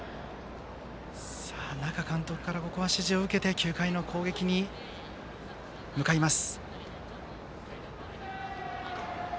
那賀監督から指示を受けて９回の攻撃に向かいます。